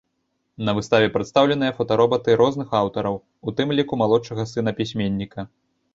На выставе прадстаўленыя фотаработы розных аўтараў, у тым ліку малодшага сына пісьменніка.